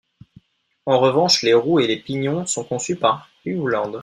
En revanche, les roues et les pignons sont conçus par Hewland.